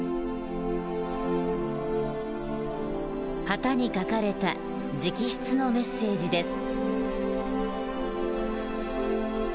旗に書かれた直筆のメッセージです。